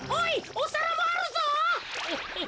おさらもあるぞ。